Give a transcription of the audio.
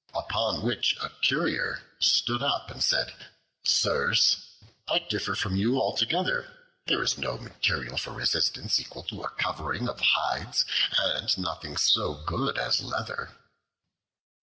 Upon which a Currier stood up and said, "Sirs, I differ from you altogether: there is no material for resistance equal to a covering of hides; and nothing so good as leather."